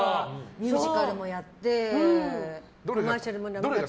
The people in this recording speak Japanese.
ミュージカルもやってコマーシャルも。